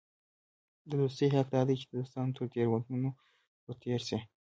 د دوستي حق دا دئ، چي د دوستانو تر تېروتنو ور تېر سې.